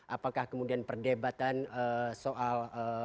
apakah kemudian perdebatan soal